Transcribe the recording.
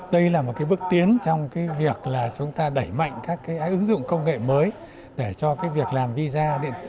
đây là một bước tiến trong việc chúng ta đẩy mạnh các ứng dụng công nghệ mới để cho việc làm visa